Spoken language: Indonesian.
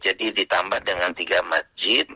jadi ditambah dengan tiga masjid